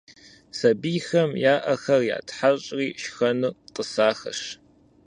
Сабийхэм я ӏэхэр ятхьэщӏри шхэну тӏысахэщ.